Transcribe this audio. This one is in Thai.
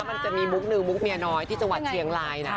มันจะมีมุกหนึ่งมุกเมียน้อยที่จังหวัดเชียงรายนะ